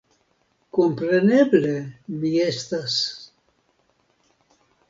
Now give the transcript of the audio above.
Kompreneble, mi estas....